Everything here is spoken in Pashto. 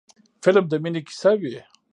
فلم د مینې کیسه وي